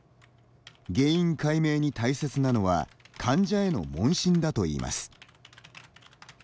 原因解明に大切なのは患者への問診だといいます。